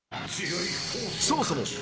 ［そもそも］